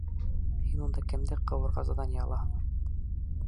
Һин унда кемде ҡыуырға задание алаһың?